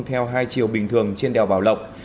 theo hai chiều bình thường trên đèo bảo lộc